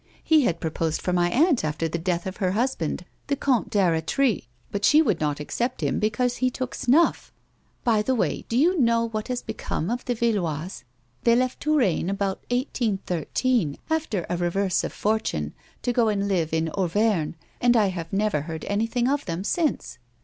He had proposed for my aunt after the death of her husband, the Comte d'^lretry, but she would not accept him because he took snuff. By tlie way. A WOMAN'S LIFE. 31 do you know what has become of the Viloises ? They left Touraine about 1813, after a reverse of fortune, to go and live in Auvergne; and I have never heard anything of them since."